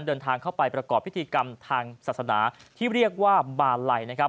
เดินทางเข้าไปประกอบพิธีกรรมทางศาสนาที่เรียกว่าบาลัยนะครับ